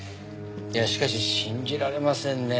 いやしかし信じられませんね。